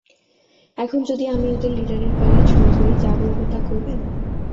এখন যদি আমি ওদের লিডারের গলায় ছুরি ধরি, যা বলবো তা করবেন?